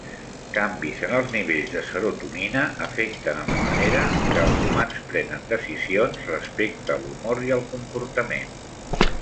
Canvis en els nivells de serotonina afecten en la manera en què els humans prenen decisions respecte a l'humor i al comportament.